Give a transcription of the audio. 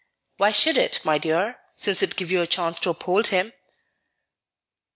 "Why should it, my dear, since it give you a chance to uphold him?"